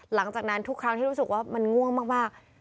หลังจากนั้นทุกครั้งที่รู้สึกว่ามันง่วงมาก